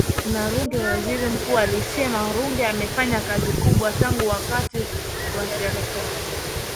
na Ruge Waziri Mkuu alisema Ruge amefanya kazi kubwa tangu wakati wa Serikali